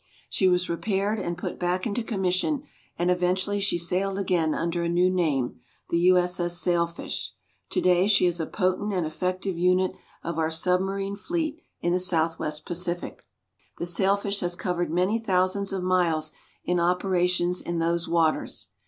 She was repaired and put back into commission, and eventually she sailed again under a new name, the U.S.S. SAILFISH. Today, she is a potent and effective unit of our submarine fleet in the Southwest Pacific. The SAILFISH has covered many thousands of miles in operations in those waters.